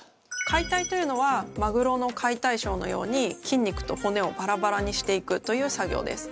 解体というのはマグロの解体ショーのように筋肉と骨をバラバラにしていくという作業です。